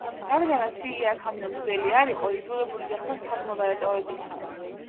რადგანაც იგი აქამდე მღვდელი არ იყო, იძულებული გახდა საძმო დაეტოვებინა.